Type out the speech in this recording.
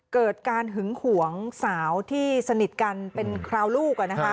เกิดการหึงหวงสาวที่สนิทกันเป็นคราวลูก